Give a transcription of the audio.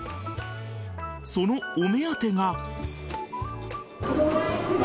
そのお目当てが。